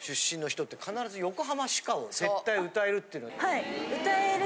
はい。